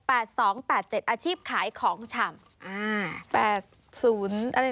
๐๑๖๘๒๘๗อาชีพขายของชำ